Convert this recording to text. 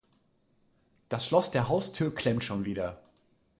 Das Schloss der Haustür klemmt schon wieder.